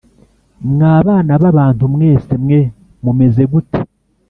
Mwa bana b abantu mwese mwe mumeze gute.